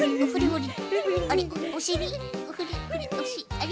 あれ？